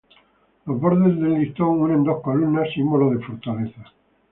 Los bordes del listón unen dos columnas, símbolo de fortaleza.